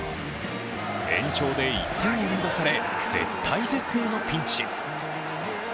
延長で１点をリードされ、絶体絶命のピンチ。